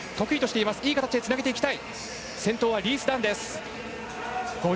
いい形でつなげてほしい。